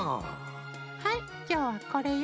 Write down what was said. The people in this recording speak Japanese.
はいきょうはこれよ。